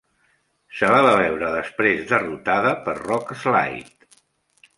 Se la va veure després derrotada per Rockslide.